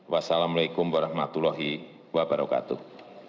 wassalamu'alaikum warahmatullahi wabarakatuh